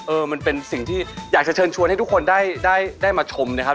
มันเป็นสิ่งที่อยากจะเชิญชวนให้ทุกคนได้มาชมนะครับ